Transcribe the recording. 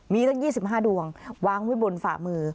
มีตั้ง๒๕ดวงวางไว้บนฝ่ามือ